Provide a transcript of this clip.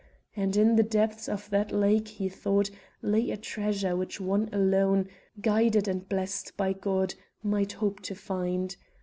And in the depths of that lake, he thought, lay a treasure which one alone, guided and blest by God, might hope to find.